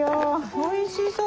おいしそう。